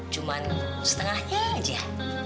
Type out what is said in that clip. cuma setengahnya aja